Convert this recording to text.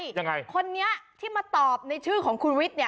ยังไงคนนี้ที่มาตอบในชื่อของคุณวิทย์เนี่ย